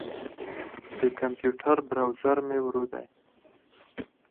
د کمپیوټر بروزر مې ورو دی.